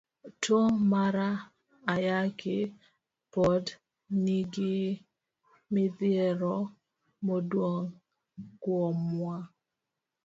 Tuo mara ayaki pod nigi mithiero maduong' kuomwa.